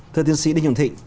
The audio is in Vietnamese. thưa tiến sĩ đinh dũng thị